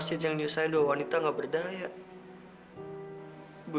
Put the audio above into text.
sekarang prita juga lagi di lelitongan aku ya budi